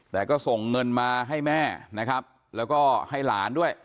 แต่ก็ส่งเงินมาให้แม่นะครับแล้วก็ให้หลานด้วย